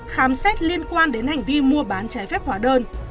khám xét liên quan đến hành vi mua bán trái phép hóa đơn